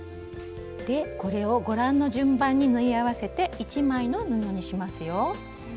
これをご覧の順番に縫い合わせて１枚の布にしますよ。